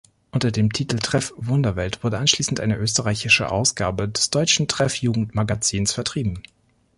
Unter dem Titel "Treff-Wunderwelt" wurde anschließend eine österreichische Ausgabe des deutschen "Treff-Jugendmagazin" vertrieben.